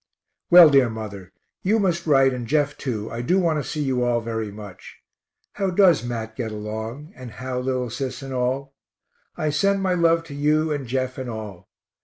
Well, dear mother, you must write and Jeff too I do want to see you all very much. How does Mat get along, and how little Sis and all? I send my love to you and Jeff and all.